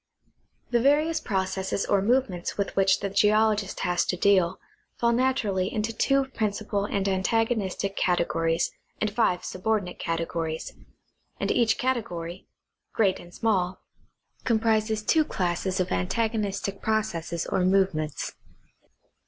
The various processes or movements with which the geologist has to deal fall naturally into two principal and antagonistic cate gories and five subordinate categ^ories ; and each category, great and small, comprises two classes of antagonistic processes or movements.